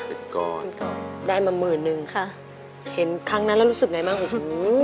เป็นก้อนได้มาหมื่นนึงค่ะเห็นครั้งนั้นแล้วรู้สึกไหนบ้างโอ้โห